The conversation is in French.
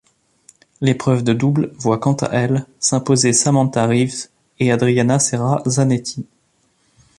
L'épreuve de double voit quant à elle s'imposer Samantha Reeves et Adriana Serra Zanetti.